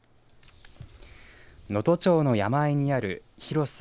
能登町の山あいにある広さ